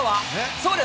そうです、